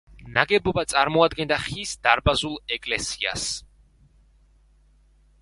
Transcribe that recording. ნაგებობა წარმოადგენდა ხის დარბაზულ ეკლესია.